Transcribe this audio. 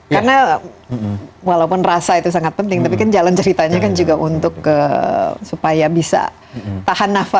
karena walaupun rasa itu sangat penting tapi kan jalan ceritanya kan juga untuk supaya bisa tahan nafas